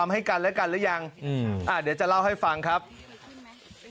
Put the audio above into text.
ไม่พูดดีกว่าแล้ว